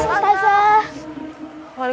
saya akan tetap kembali